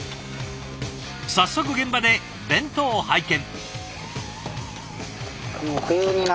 早速現場で弁当を拝見。